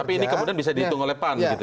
tapi ini kemudian bisa dihitung oleh pan gitu ya